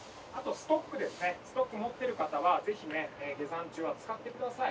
ストック持ってる方はぜひね下山中は使ってください。